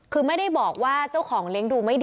คือไม่ได้บอกว่าเจ้าของเลี้ยงดูไม่ดี